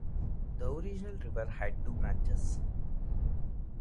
The original river had two branches.